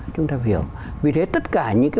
chúng ta hiểu vì thế tất cả những cái